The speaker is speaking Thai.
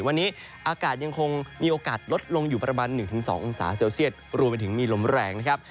วันนี้อากาศยังคงมีโอกาสลดลงอยู่ประมาณ๑๒องศาเซลเซียตรวมไปถึงมีลมแรงนะครับ